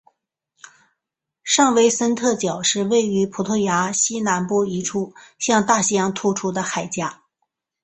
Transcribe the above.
圣维森特角是位于葡萄牙西南部一处向大西洋突出的海岬。